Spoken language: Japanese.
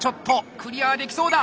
クリアできそうだ！